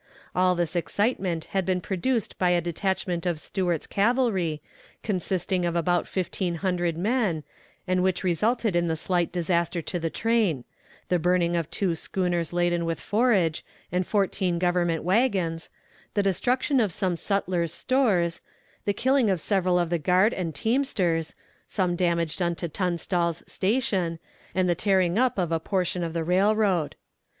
All this excitement had been produced by a detachment of Stuart's cavalry, consisting of about fifteen hundred men, and which resulted in the slight disaster to the train; the burning of two schooners laden with forage, and fourteen Government wagons; the destruction of some sutler's stores; the killing of several of the guard and teamsters; some damage done to Tunstall's Station; and the tearing up of a portion of the railroad.